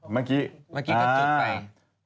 เมื่อกี้เมื่อกี้ก็จิ๊กไป